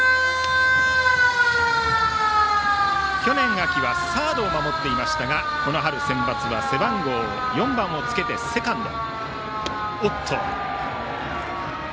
去年秋はサードを守っていましたがこの春センバツは背番号４番をつけてセカンド。